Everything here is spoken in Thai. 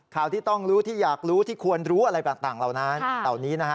ข่าวที่ต้องรู้ที่อยากรู้ที่ควรรู้อะไรต่างเหล่านั้นเหล่านี้นะฮะ